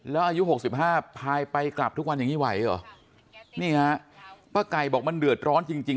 แล้วอายุ๖๕พายไปกลับทุกวันอย่างนี้ไหวเหรอนี่ฮะพระไก่บอกมันเดือดร้อนจริง